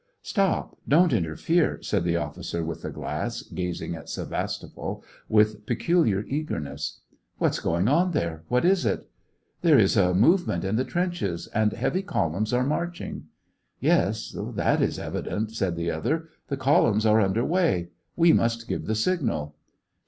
" Stop, don't interfere," said the officer with the glass, gazing at Sevastopol with peculiar eager ness. " What's going on there } What is it t " "There is a movement in the trenches, and heavy columns are marching." "Yes, that is evident," said the other. "The columns are under way. We must give the signal."